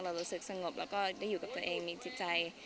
รู้สึกสงบแล้วก็ได้อยู่กับตัวเองมีจิตใจ